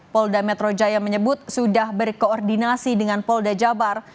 polda metro jaya menyebut sudah berkoordinasi dengan polda jabar